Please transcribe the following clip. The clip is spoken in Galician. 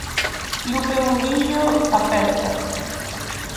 Lupe Murillo aperta.